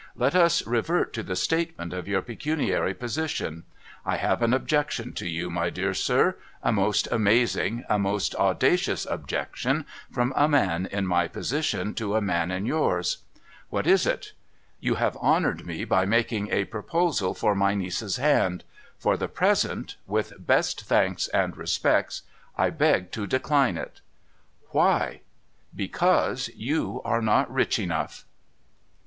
I^et us revert to the statement of your pecuniary position, I have an objection to you, my clear sir — a most amazing, a most audacious objection, from a man in my position to a man in yours.' ' What is it ?'' You have honoured me by making a proposal for my niece's hand. For the present (with best thanks and respects), I beg to decline it.' ' Why ?'• Because you are not rich enough.'